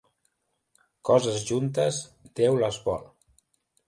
Coses justes, Déu les vol.